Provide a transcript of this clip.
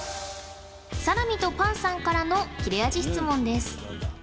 サラミとパンさんからの切れ味質問です